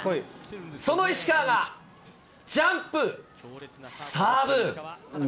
その石川がジャンプ、サーブ。